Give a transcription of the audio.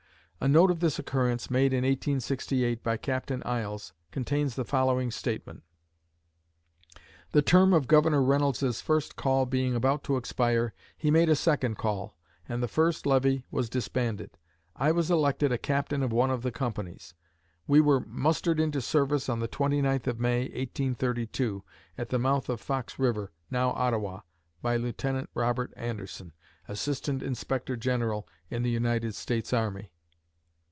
A note of this occurrence, made in 1868 by Captain Iles, contains the following statement: "The term of Governor Reynolds's first call being about to expire, he made a second call, and the first levy was disbanded. I was elected a captain of one of the companies. We were mustered into service on the 29th of May, 1832, at the mouth of Fox river, now Ottawa, by Lieutenant Robert Anderson, Assistant Inspector General in the United States Army."